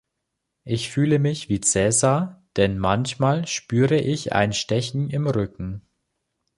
Ich fühle mich wie Cäsar, denn manchmal spüre ich ein Stechen im Rücken.